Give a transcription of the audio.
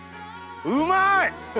うまい！